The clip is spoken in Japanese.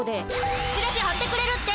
チラシ貼ってくれるって！